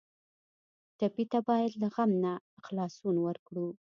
ټپي ته باید له غم نه خلاصون ورکړو.